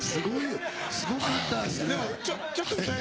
すごかったですね。